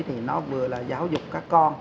thì nó vừa là giáo dục các con